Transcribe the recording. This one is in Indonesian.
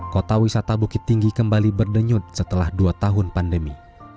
kota wisata bukit tinggi kembali berdenyut setelah dua tahun pandemi